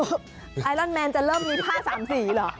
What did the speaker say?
หึหึไอรอนแมนจะเริ่มมีผ้า๓สีหรอ